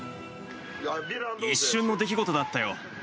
一瞬の出来事だったよ。